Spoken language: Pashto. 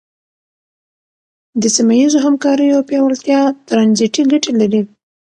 د سیمه ییزو همکاریو پیاوړتیا ترانزیټي ګټې لري.